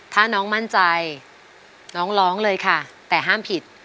ถ้าน้องมั่นใจน้องร้องเลยค่ะแต่ห้ามผิด